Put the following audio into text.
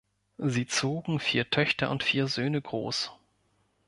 Sie zogen vier Töchter und vier Söhne groß.